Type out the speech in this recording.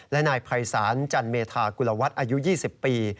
และนายภัยศาลจันเมธากุลวัฒน์อายุ๒๐ปี